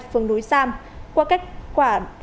phường núi sam qua kết quả